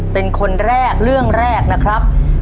เป็นคนแรกเรื่องแรกนะครับ